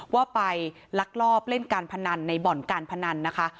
ว่าไปลักลอบเล่นการพนันในบ่อนการพนันนะคะ